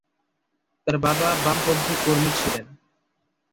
তার বাবা বামপন্থী কর্মী ছিলেন।